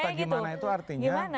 betul kita gimana itu artinya